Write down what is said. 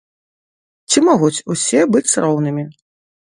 Ці могуць усе быць роўнымі?